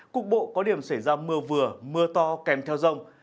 cục bộ có điểm xảy ra mưa vừa mưa to kèm theo rông